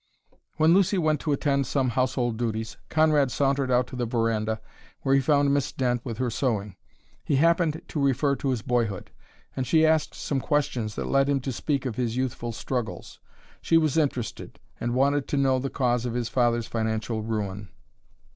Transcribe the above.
When Lucy went to attend to some household duties, Conrad sauntered out to the veranda, where he found Miss Dent with her sewing. He happened to refer to his boyhood; and she asked some questions that led him to speak of his youthful struggles. She was interested, and wanted to know the cause of his father's financial ruin.